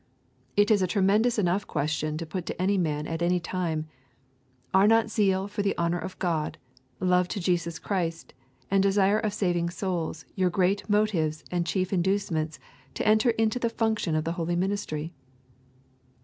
It is a tremendous enough question to put to any man at any time: 'Are not zeal for the honour of God, love to Jesus Christ, and desire of saving souls your great motives and chief inducement to enter into the function of the holy ministry?'